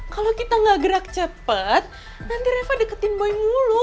kalau kita gak gerak cepat nanti reva deketin main mulu